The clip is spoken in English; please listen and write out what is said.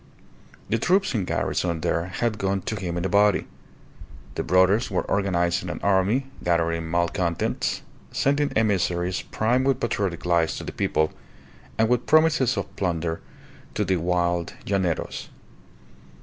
The troops in garrison there had gone to him in a body. The brothers were organizing an army, gathering malcontents, sending emissaries primed with patriotic lies to the people, and with promises of plunder to the wild llaneros.